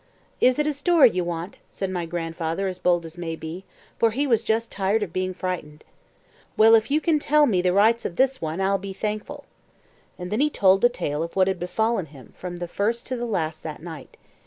"Is it a story you want?" said my grandfather as bold as may be, for he was just tired of being frightened. "Well if you can tell me the rights of this one, I'll be thankful." And he told the tale of what had befallen him from first to last that night.